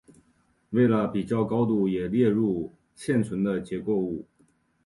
为了比较高度也列入现存的结构物。